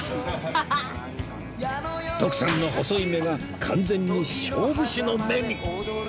徳さんの細い目が完全に勝負師の目に